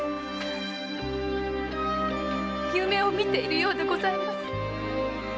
夢を見ているようでございます。